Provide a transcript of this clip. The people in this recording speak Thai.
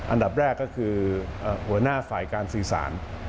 อันดับแรกก็คือหัวหน้าฝ่ายการสื่อสาร